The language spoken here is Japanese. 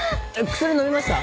薬飲みました？